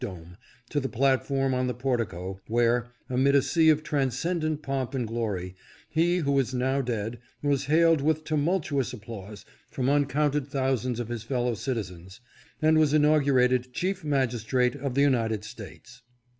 dome, to the platform on the portico, where, amid a sea of transcendent pomp and glory, he who is now dead was hailed with tumultuous applause from uncounted thou sands of his fellow citizens, and was inaugurated Chief Magistrate of the United States.